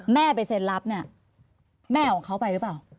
แม่ไปเซ็นรับเนี่ยแม่ของเขาไปหรือเปล่า